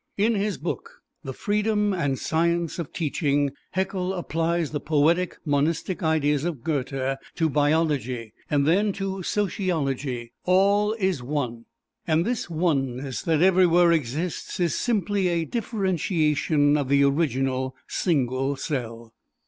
In his book, "The Freedom and Science of Teaching," Haeckel applies the poetic monistic ideas of Goethe to biology and then to sociology. "All is one." And this oneness that everywhere exists is simply a differentiation of the original single cell.